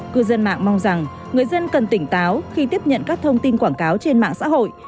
cư dân mạng mong rằng người dân cần tỉnh táo khi tiếp nhận các thông tin quảng cáo trên mạng xã hội